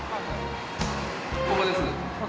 ここです。